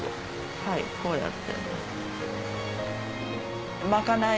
はいこうやって。